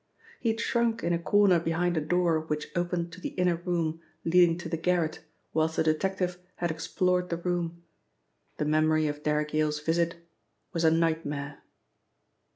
He had shrunk in a corner behind a door which opened to the inner room leading to the garret whilst the detective had explored the room. The memory of Derrick Yale's visit was a nightmare.